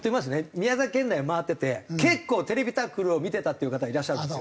宮崎県内を回ってて結構『ＴＶタックル』を見てたっていう方がいらっしゃったんですよ。